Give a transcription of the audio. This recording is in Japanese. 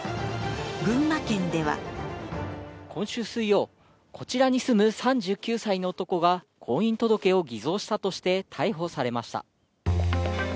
群馬県では今週水曜、こちらに住む３９歳の男が婚姻届を偽造したとして逮捕されました。